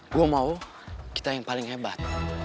gue mau kita yang paling hebat